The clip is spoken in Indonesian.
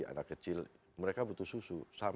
anak kecil mereka butuh susu